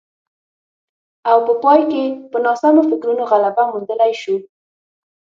او په پای کې په ناسمو فکرونو غلبه موندلای شو